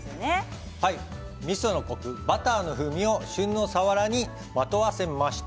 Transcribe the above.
みそのコクバターの風味を旬のさわらにまとわせました。